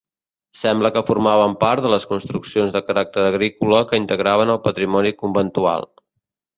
Sembla que formaven part de les construccions de caràcter agrícola que integraven el patrimoni conventual.